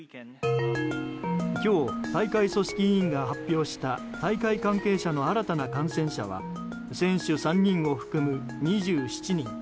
今日、大会組織委員が発表した大会関係者の新たな感染者は選手３人を含む２７人。